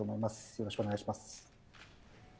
よろしくお願いします。